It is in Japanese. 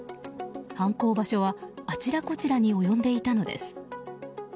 犯行場所はあちらこちらに及んでいたのです。